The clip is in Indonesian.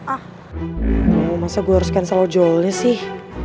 aduh masa gue harus cancel lojolnya sih